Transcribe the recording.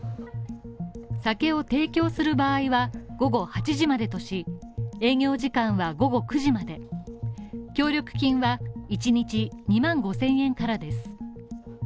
酒を提供する場合は、午後８時までとし、営業時間は午後９時まで協力金は１日２万５０００円からです。